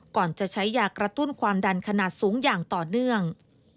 ก่อนจะใช้ยากระตุ้นความดันขนาดสูงอย่างต่อเนื่อง